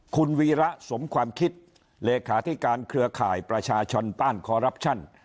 คุณวีระสมความคิดเลขาธิการเครือข่ายประชาชนต้านคอรัปชั่น